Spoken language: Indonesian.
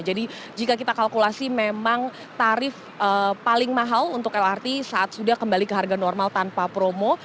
jadi jika kita kalkulasi memang tarif paling mahal untuk lrt saat sudah kembali ke harga normal tanpa promo